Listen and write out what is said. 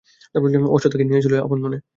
অশ্ব তাকে নিয়ে চলছিল আপন মনে।